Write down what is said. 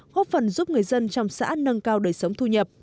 góp phần giúp người dân trong xã nâng cao đời sống thu nhập